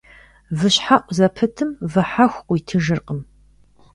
Вы щхьэӀу зэптым вы хьэху къыуитыжыркъым.